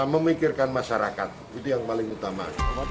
memikirkan masyarakat itu yang paling utama